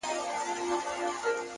د ځان وژني د رسۍ خریدارۍ ته ولاړم ـ